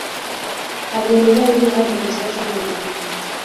Aliendelea hivyo hadi katika shule ya upili.